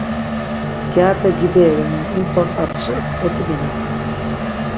Gyarepe giberi renan, imxort̆atşi dot̆ibinapt.